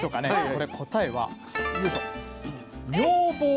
これ答えはよいしょ。